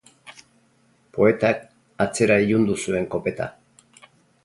Poetak atzera ilundu zuen kopeta.